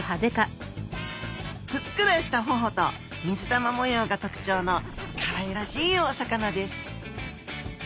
ふっくらしたほほと水玉模様が特徴のかわいらしいお魚です。